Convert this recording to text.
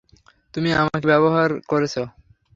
তুমি আমাকে ব্যবহার করেছ।